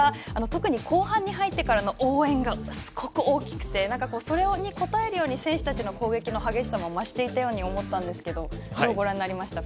特に後半に入ってからの応援がすごく大きくてそれに応えるように選手たちの攻撃の激しさも増していたように思ったんですがどうご覧になりました？